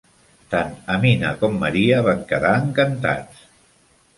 Tant Aminah com Maria van quedar encantats.